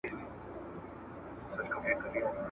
تل یې لاس د خپل اولس په وینو سور وي `